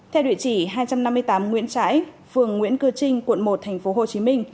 theo địa chỉ hai trăm năm mươi tám nguyễn trãi phường nguyễn cư trinh quận một tp hcm